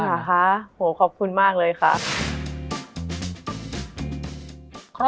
มันทำให้ชีวิตผู้มันไปไม่รอด